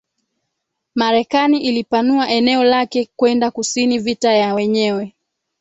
Marekani ilipanua eneo lake kwenda kusini Vita ya wenyewe